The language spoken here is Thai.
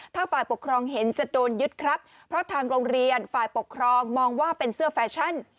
ถ้าฝ่ายปกครองเห็นจะโดนยึดครับเพราะทางโรงเรียนฝ่ายปกครองมองว่าเป็นเสื้อแฟชั่น